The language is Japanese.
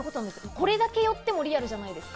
これだけ寄ってもリアルじゃないですか。